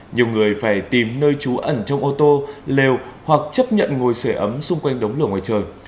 nhiều người phải tìm nơi trú ẩn trong ô tô lều hoặc chấp nhận ngồi sửa ấm xung quanh đống lửa ngoài trời